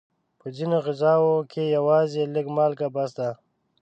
په ځینو غذاوو کې یوازې لږه مالګه بس ده.